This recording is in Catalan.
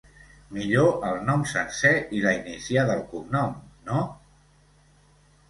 Millor el nom sencer i la inicial del cognom, no?